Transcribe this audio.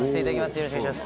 よろしくお願いします。